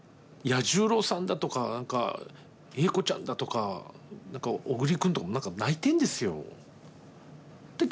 彌十郎さんだとか栄子ちゃんだとか何か小栗君とか泣いてんですよ。